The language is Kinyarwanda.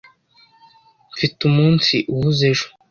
Mfite umunsi uhuze ejo.